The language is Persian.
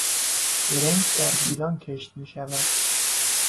برنج در گیلان کشت میشود.